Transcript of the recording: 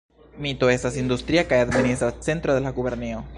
Mito estas industria kaj administra centro de la gubernio.